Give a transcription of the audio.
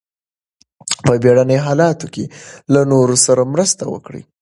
په بیړني حالاتو کې له نورو سره مرسته وکړئ.